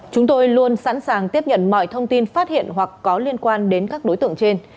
chúng tôi luôn sẵn sàng tiếp nhận mọi thông tin phát hiện hoặc có liên quan đến các đối tượng trên